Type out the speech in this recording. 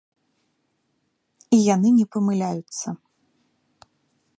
І яны не памыляюцца.